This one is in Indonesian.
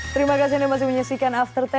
terima kasih anda masih menyaksikan after sepuluh